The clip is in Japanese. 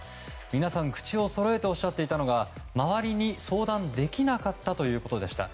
皆さん口をそろえておっしゃっていたのが周りに相談できなかったということでした。